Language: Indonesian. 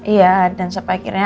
iya dan sampai akhirnya